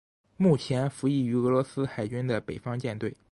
目前服役于俄罗斯海军的北方舰队。